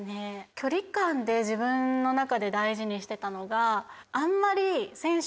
距離感で自分の中で大事にしてたのがあんまり。